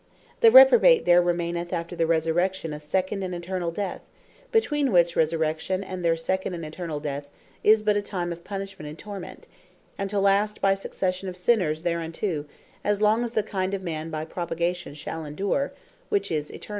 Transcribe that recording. To the Reprobate there remaineth after the Resurrection, a Second, and Eternall Death: between which Resurrection, and their Second, and Eternall death, is but a time of Punishment and Torment; and to last by succession of sinners thereunto, as long as the kind of Man by propagation shall endure, which is Eternally.